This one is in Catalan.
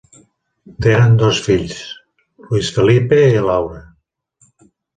Tenen dos fills, Luis Felipe i Laura.